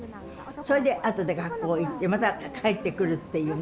それで後で学校へ行ってまた帰ってくるっていうね